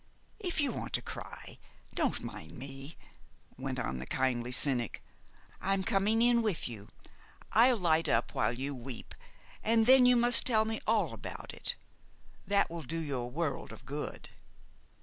"If you want to cry, don't mind me," went on the kindly cynic. "I'm coming in with you. I'll light up while you weep, and then you must tell me all about it. That will do you a world of good."